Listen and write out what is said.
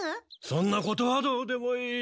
そんなことはどうでもいい。